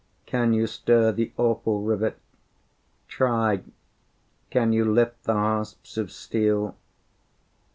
can you stir the awful rivet? Try! can you lift the hasps of steel?